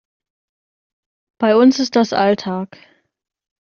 Bei uns ist das Alltag.